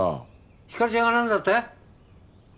ひかりちゃんがなんだって？